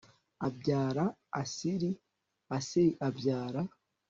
abyara Asiri Asiri abyara